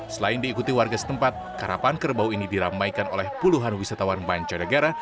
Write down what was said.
selain diikuti warga setempat karapan kerbau ini diramaikan oleh puluhan wisatawan banca negara